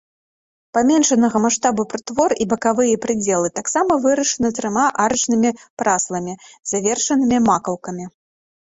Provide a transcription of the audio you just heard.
Паменшанага маштабу прытвор і бакавыя прыдзелы таксама вырашаны трыма арачнымі прасламі, завершанымі макаўкамі.